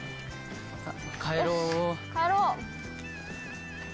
帰ろう！